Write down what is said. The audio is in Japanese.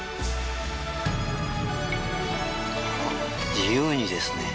自由にですね